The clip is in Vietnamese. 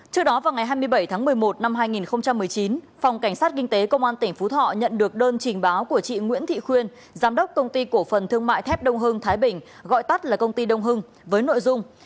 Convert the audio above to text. công an tỉnh phú thọ nhận được đơn trình báo của chị nguyễn thị khuyên giám đốc công ty cổ phần thương mại thép đông hưng thái bình gọi tắt là công ty đông hưng với nội dung